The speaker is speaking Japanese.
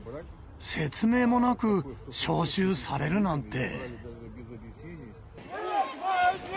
説明もなく招集されるなんて。